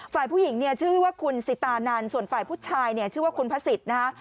ฝ่ายผู้หญิงเนี่ยชื่อว่าคุณสิตานันส่วนฝ่ายผู้ชายเนี่ยชื่อว่าคุณพระศิษย์นะฮะ